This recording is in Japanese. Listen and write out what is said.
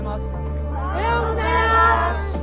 おはようございます。